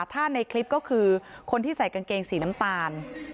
ถ้าในคลิปก็คือคนที่ใส่กางเกงสีน้ำตาล